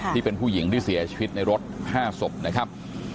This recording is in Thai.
ที่เป็นผู้หญิงที่เสียชีวิตในรถ๕ศพนะครับ